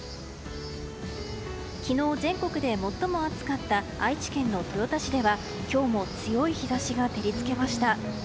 昨日、全国で最も暑かった愛知県豊田市では今日も強い日差しが照り付けました。